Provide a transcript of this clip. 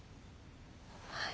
はい。